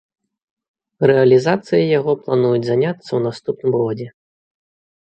Рэалізацыяй яго плануюць заняцца ў наступным годзе.